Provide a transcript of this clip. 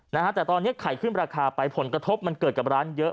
นะฮะแต่ตอนนี้ไข่ขึ้นราคาไปผลกระทบมันเกิดกับร้านเยอะ